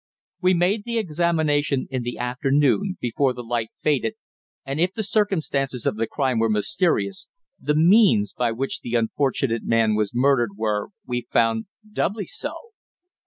We made the examination in the afternoon, before the light faded, and if the circumstances of the crime were mysterious, the means by which the unfortunate man was murdered were, we found, doubly so.